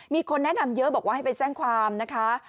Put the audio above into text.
มีคนแนะนำเยอะบอกว่าให้ไปแจ้งความนะคะ